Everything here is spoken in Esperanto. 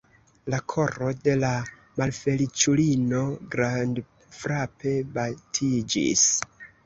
La koro de la malfeliĉulino grandfrape batiĝis.